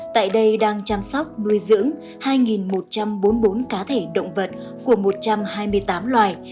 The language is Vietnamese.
tại đây đang chăm sóc nuôi dưỡng hai một trăm bốn mươi bốn cá thể động vật của một trăm hai mươi tám loài